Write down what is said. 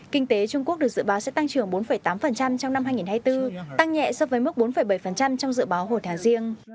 kinh tế trung quốc được dự báo sẽ tăng trưởng bốn tám trong năm hai nghìn hai mươi bốn tăng nhẹ so với mức bốn bảy trong dự báo hồi tháng riêng